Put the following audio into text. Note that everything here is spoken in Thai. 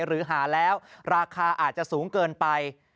หรือหาแล้วราคาอาจจะสูงเกินไป